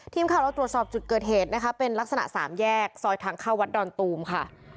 ทีมข่าวเราตรวจสอบจุดเกิดเหตุนะคะเป็นลักษณะสามแยกซอยทางเข้าวัดดอนตูมค่ะ